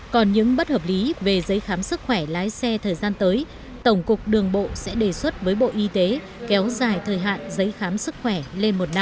còn những bất hợp lý về giấy khám sức khỏe lái xe thời gian tới tổng cục đường bộ sẽ đề xuất với bộ y tế kéo dài thời hạn giấy khám sức khỏe lên một năm